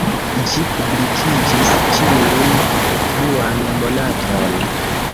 Ĝi publikiĝis ĉiun duan monaton.